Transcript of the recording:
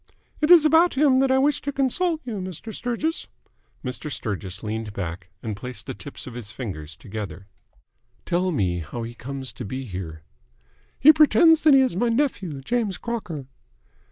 "It is about him that I wished to consult you, Mr. Sturgis." Mr. Sturgis leaned back, and placed the tips of his fingers together. "Tell me how he comes to be here." "He pretends that he is my nephew, James Crocker."